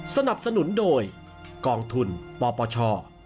สนับสนุนโดยกองทุนปปช